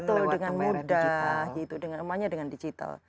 betul dengan mudah gitu namanya dengan digital